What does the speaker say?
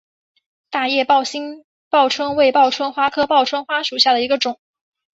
大叶宝兴报春为报春花科报春花属下的一个种。